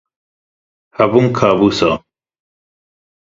Hebûn kabûs e?